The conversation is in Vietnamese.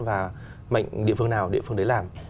và mạnh địa phương nào địa phương đấy làm